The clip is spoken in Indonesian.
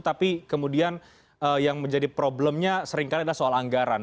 tapi kemudian yang menjadi problemnya seringkali adalah soal anggaran